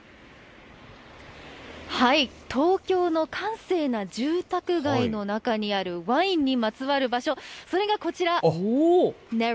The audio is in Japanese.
東京の閑静な住宅街の中にあるワインにまつわる場所、それがこちら。